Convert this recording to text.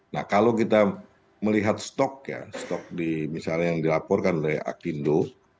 nah kalau kita melihat stok ya stok di misalnya yang dilaporkan dari akindo